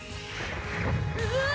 「うわ！」